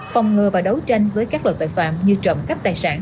phòng ngừa và đấu tranh với các loại tội phạm như trộm cắp tài sản